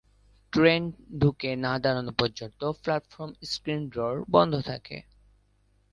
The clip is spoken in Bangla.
ট্রেন ঢুকে না-দাঁড়ানো পর্যন্ত প্ল্যাটফর্ম স্ক্রিন ডোর বন্ধ থাকে।